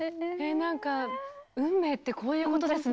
なんか運命ってこういうことですね。